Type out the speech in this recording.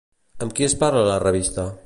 Amb qui es parla a la revista?